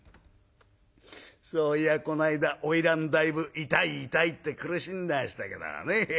そういやこないだ花魁だいぶ痛い痛いって苦しんでましたからね。